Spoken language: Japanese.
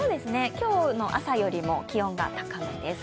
今日の朝よりも気温が高めです。